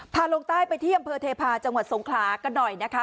ลงใต้ไปที่อำเภอเทพาะจังหวัดสงขลากันหน่อยนะคะ